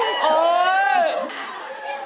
อุ้ยยย